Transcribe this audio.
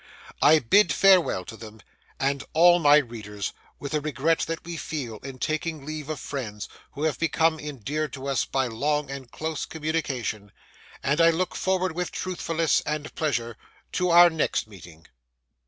I bid farewell to them and all my readers with a regret that we feel in taking leave of Friends who have become endeared to us by long and close communication; and I look forward with truthfulness and pleasure to our next meeting.